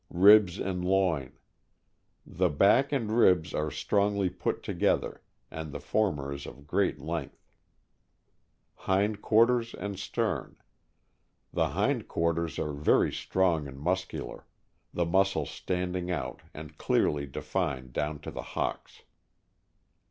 Ribs and loin.— The back and ribs are strongly put together, and the former is of great length. Hind quarters and stern. — The hind quarters are very strong and muscular, the muscles standing out, and clearly defined down to the hocks.